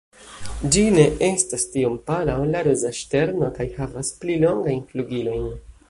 Ĝi ne estas tiom pala ol la Roza ŝterno, kaj havas pli longajn flugilojn.